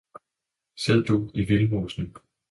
sid Du i Vildmosen!